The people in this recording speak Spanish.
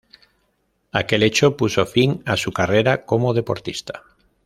Aquel hecho puso fin a su carrera como deportista.